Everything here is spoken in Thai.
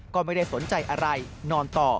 ก็ไม่ได้สนใจอะไรนอนต่อ